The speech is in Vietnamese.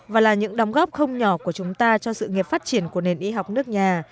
và là những đóng góp không nhỏ của chúng ta cho sự nghiệp phát triển của nền y học nước nhà